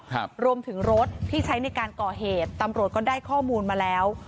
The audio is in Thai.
ครับรวมถึงรถที่ใช้ในการก่อเหตุตำรวจก็ได้ข้อมูลมาแล้ว